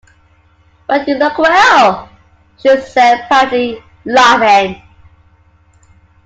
“But you look well,” she said proudly, laughing.